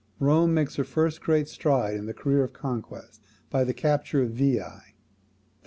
Rome makes her first great stride in the career of conquest by the capture of Veii.